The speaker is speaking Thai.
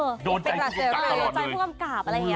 โดนใจผู้กำกับอะไรเฮียค่ะ